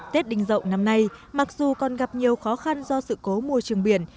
tết đình dậu năm nay mặc dù còn gặp nhiều khó khăn do sự cố môi trường biển